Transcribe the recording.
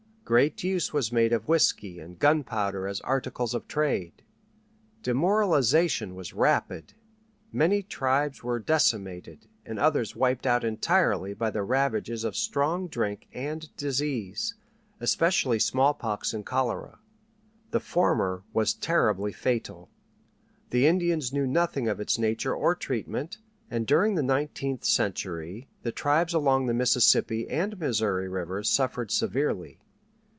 Great use was made of whiskey and gunpowder as articles of trade. Demoralization was rapid. Many tribes were decimated and others wiped out entirely by the ravages of strong drink and disease, especially smallpox and cholera. The former was terribly fatal. The Indians knew nothing of its nature or treatment, and during the nineteenth century the tribes along the Mississippi and Missouri rivers suffered severely.